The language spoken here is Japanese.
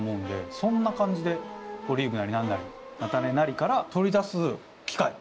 そんな感じでオリーブなり何なり菜種なりから取り出す機械。